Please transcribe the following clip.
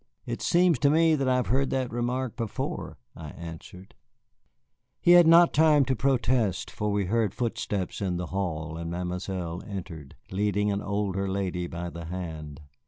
"It seems to me that I have heard that remark before," I answered. He had not time to protest, for we heard footsteps in the hall, and Mademoiselle entered, leading an older lady by the hand.